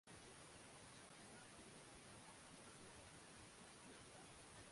kutokana na uwezo wao na ubora wao